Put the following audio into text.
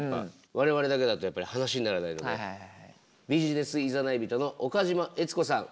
我々だけだとやっぱり話にならないのでビジネスいざない人の岡島悦子さん